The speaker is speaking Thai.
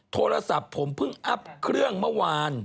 โทรศัพท์ผมเพิ่งอัพเครื่องเมื่อวาน